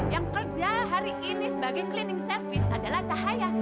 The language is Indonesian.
yang kerja hari ini sebagai cleaning service adalah cahaya